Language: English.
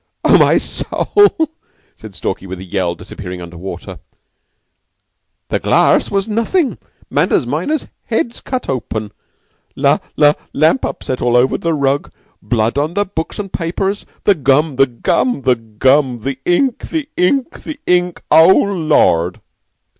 "Oh, my soul!" said Stalky with a yell, disappearing under water. "The the glass was nothing. Manders minor's head's cut open. La la lamp upset all over the rug. Blood on the books and papers. The gum! The gum! The gum! The ink! The ink! The ink! Oh, Lord!"